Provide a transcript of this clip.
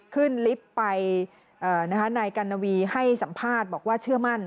ลิฟต์ไปนายกัณวีให้สัมภาษณ์บอกว่าเชื่อมั่น